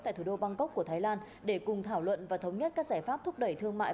tại thủ đô bangkok của thái lan để cùng thảo luận và thống nhất các giải pháp thúc đẩy thương mại